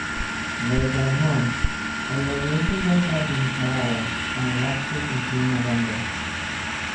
Late that month, a revolution broke out in Nicaragua and lasted until November.